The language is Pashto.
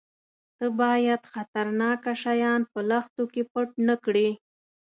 _ته بايد خطرناکه شيان په لښتو کې پټ نه کړې.